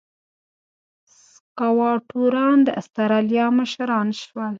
سکواټوران د اسټرالیا مشران شول.